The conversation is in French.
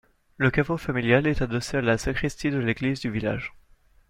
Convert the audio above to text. Le caveau familial est adossé à la sacristie de l'église du village.